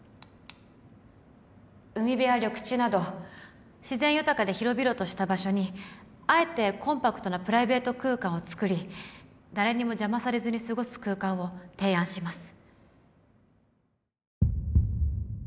海辺や緑地など自然豊かで広々とした場所にあえてコンパクトなプライベート空間をつくり誰にも邪魔されずに過ごす空間を提案します